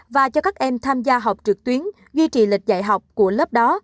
và cho các em tham gia học trực tuyến duy trì lịch dạy học của lớp đó